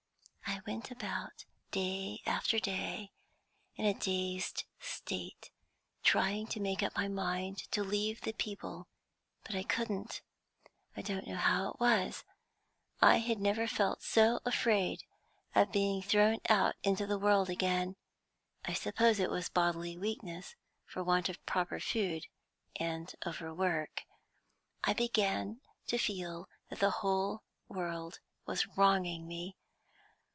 "I went about, day after day, in a dazed state, trying to make up my mind to leave the people, but I couldn't. I don't know how it was, I had never felt so afraid of being thrown out into the world again. I suppose it was bodily weakness, want of proper food, and overwork. I began to feel that the whole world was wronging me.